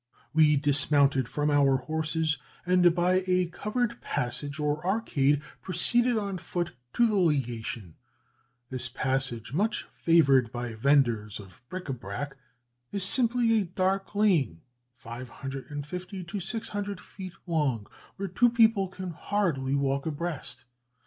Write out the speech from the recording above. "We dismounted from our horses, and by a covered passage or arcade proceeded on foot to the legation. This passage, much favoured by vendors of bric à brac, is simply a dark lane, 550 to 600 feet long, where two people can hardly walk abreast.